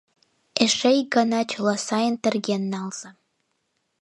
Эше ик гана чыла сайын терген налза.